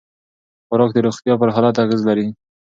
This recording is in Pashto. خوراک د روغتیا پر حالت اغېز لري.